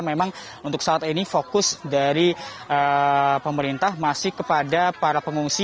memang untuk saat ini fokus dari pemerintah masih kepada para pengungsi